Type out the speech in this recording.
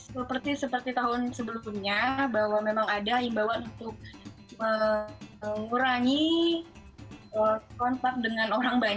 seperti tahun sebelumnya bahwa memang ada himbawan untuk mengurangi kontak dengan orang lain